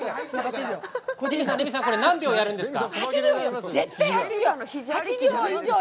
レミさん、何秒やるんですか？